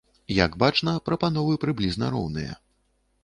Як бачна, прапановы прыблізна роўныя.